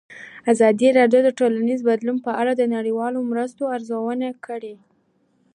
ازادي راډیو د ټولنیز بدلون په اړه د نړیوالو مرستو ارزونه کړې.